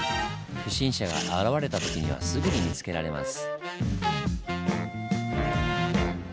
不審者が現れた時にはすぐに見つけられます。